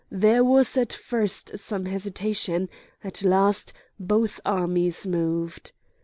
There was at first some hesitation; at last both armies moved.